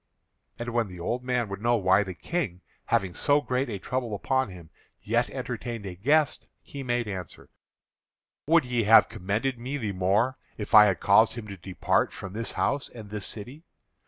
And when the old men would know why the King, having so great a trouble upon him, yet entertained a guest, he made answer: "Would ye have commended me the more if I had caused him to depart from this house and this city?